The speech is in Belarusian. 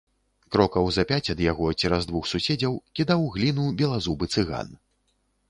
Крокаў за пяць ад яго, цераз двух суседзяў, кідаў гліну белазубы цыган.